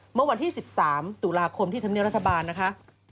เมื่อวันที่๑๓ตุลาคมที่ธรรมเนียบรัฐบาลนะคะ